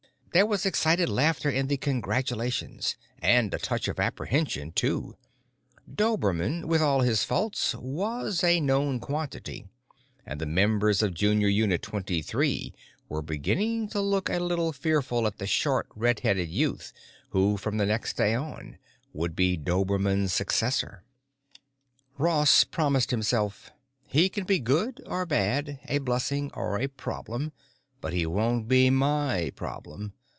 There was excited laughter in the congratulations, and a touch of apprehension too: Dobermann, with all his faults, was a known quantity, and the members of Junior Unit Twenty Three were beginning to look a little fearfully at the short, redheaded youth who, from the next day on, would be Dobermann's successor. Ross promised himself: He can be good or bad, a blessing or a problem. But he won't be my problem.